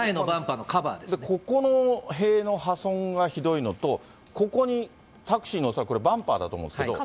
ここの塀の破損がひどいのと、ここにタクシーの、恐らくこれ、バンパーだと思うんですけど。